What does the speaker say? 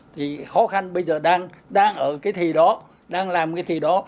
thì khó khăn bây giờ đang ở cái thì đó đang làm cái thì đó